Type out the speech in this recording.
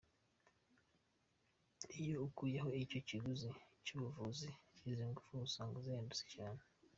Iyo ukuyeho icyo kiguzi cy’ubuvuzi, izi ngufu usanga zihendutse cyane.”